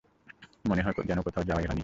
মনে হয় যেন কোথাও যাওয়াই হয়নি।